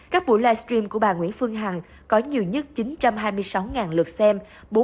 các buổi live stream của bà nguyễn phương hằng có nhiều nhất chín trăm hai mươi sáu lượt xem